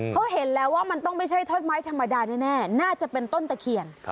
เขาเห็นแล้วว่ามันต้องไม่ใช่ท่อนไม้ธรรมดาแน่น่าจะเป็นต้นตะเคียน